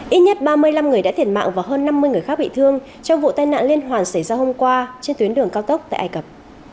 ít nhất ba mươi năm người đã thiệt mạng và hơn năm mươi người khác bị thương trong vụ tai nạn liên hoàn xảy ra hôm qua trên tuyến đường cao tốc tại ai cập